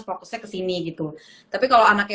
fokusnya kesini gitu tapi kalau anaknya